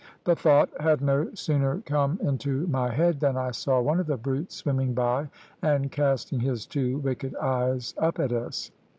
The thought had no sooner come into my head than I saw one of the brutes swimming by and casting his two wicked eyes up at us.